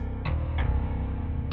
pukul tiga kali